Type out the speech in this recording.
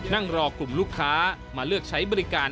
นั่งรอกลุ่มลูกค้ามาเลือกใช้บริการ